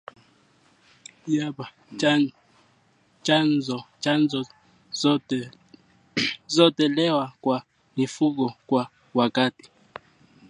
Chanjo zitolewe kwa mifugo kwa wakati